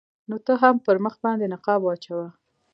نو ته هم پر مخ باندې نقاب واچوه.